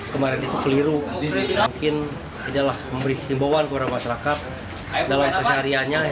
kemarin itu keliru mungkin adalah memberi simbawan kepada masyarakat dalam persahariannya